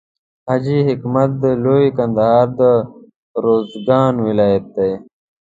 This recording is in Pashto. حاجي حکمت د لوی کندهار د روزګان ولایت دی.